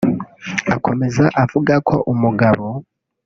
Akomeza avuga ko umugabo